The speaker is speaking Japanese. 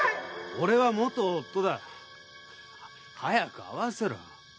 俺は元夫だ。早く会わせろ。